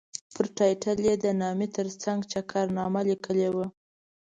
پر ټایټل یې د نامې ترڅنګ چکرنامه لیکلې وه.